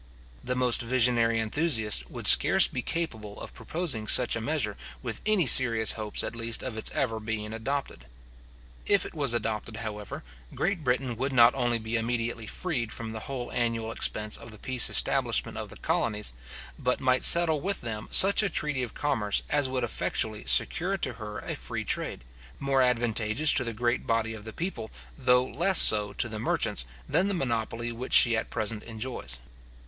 The most visionary enthusiasts would scarce be capable of proposing such a measure, with any serious hopes at least of its ever being adopted. If it was adopted, however, Great Britain would not only be immediately freed from the whole annual expense of the peace establishment of the colonies, but might settle with them such a treaty of commerce as would effectually secure to her a free trade, more advantageous to the great body of the people, though less so to the merchants, than the monopoly which she at present enjoys.